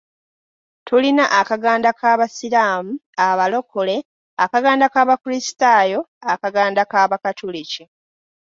Tulina akaganda k'Abasiraamu, Akabalokole, akaganda k'Abakrisitaayo, akaganda ak'Abakatuliki.